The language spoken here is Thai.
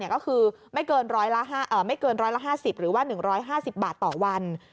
ก็คือไม่เกิน๑๕๐หรือว่า๑๕๐บาทต่อวัน